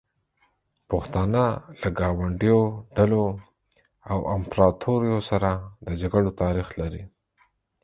پښتانه له ګاونډیو ډلو او امپراتوریو سره د جګړو تاریخ لري.